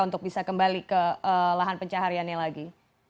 untuk bisa kembali ke lahan pencahariannya lagi